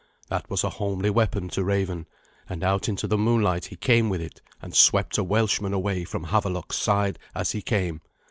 That was a homely weapon to Raven, and out into the moonlight he came with it, and swept a Welshman away from Havelok's side as he came.